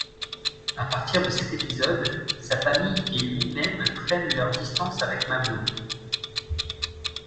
À partir de cet épisode, sa famille et lui-même prennent leurs distances avec Mahmoud.